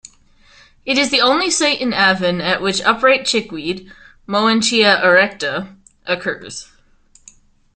It is the only site in Avon at which Upright Chickweed "Moenchia erecta", occurs.